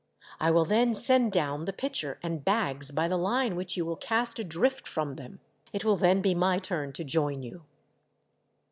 I will then send down the pitcher and bags by the line which you will cast adrift from them. It will then be my turn to join you."